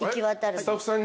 スタッフさんに？